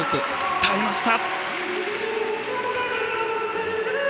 耐えました！